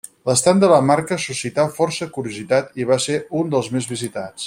L'estand de la marca suscità força curiositat i va ser un dels més visitats.